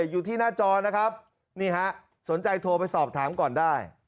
อยู่ที่หน้าจอนะครับนี่ฮะสนใจโทรไปสอบถามก่อนได้